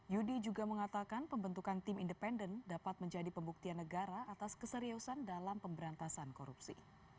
yudi juga mengatakan pembentukan tim independen dapat menjadi pembuktian negara atas keseriusan dalam pemberantasan korupsi